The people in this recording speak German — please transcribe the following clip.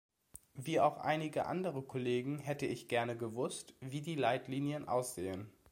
Wie auch einige andere Kollegen hätte ich gerne gewusst, wie die Leitlinien aussehen.